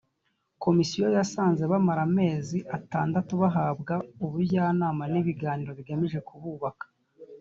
komisiyo yasanze bamara amezi atandatu bahabwa ubujyanama n’ibiganiro bigamije kububaka